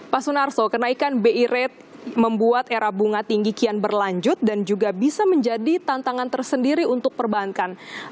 pak sunarso kenaikan bi rate membuat era bunga tinggi kian berlanjut dan juga bisa menjadi tantangan tersendiri untuk perbankan